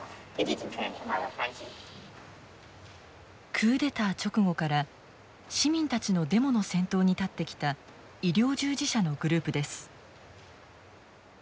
クーデター直後から市民たちのデモの先頭に立ってきた医療従事者のグループです。